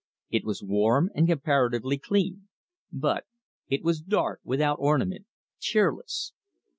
It was warm and comparatively clean. But it was dark, without ornament, cheerless.